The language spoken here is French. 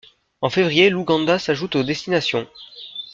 En février, l'Ouganda s'ajoute aux destinations.